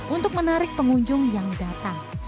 untuk menarik pengunjung yang datang